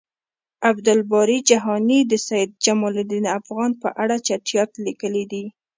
عبد الباری جهانی د سید جمالدین افغان په اړه چټیات لیکلی دی